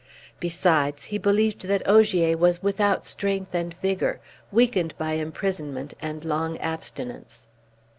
Besides, he believed that Ogier was without strength and vigor, weakened by imprisonment and long abstinence.